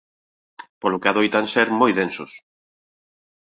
Polo que adoitan ser moi densos.